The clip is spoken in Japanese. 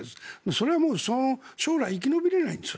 それは将来生き延びれないんです。